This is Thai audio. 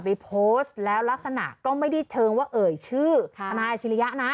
ไปโพสต์แล้วลักษณะก็ไม่ได้เชิงว่าเอ่ยชื่อทนายอาชิริยะนะ